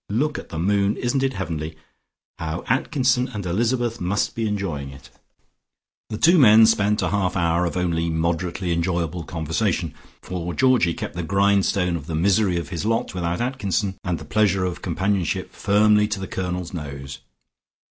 Look at the moon! Isn't it heavenly. How Atkinson and Elizabeth must be enjoying it." The two men spent a half hour of only moderately enjoyable conversation, for Georgie kept the grindstone of the misery of his lot without Atkinson, and the pleasure of companionship firmly to the Colonel's nose.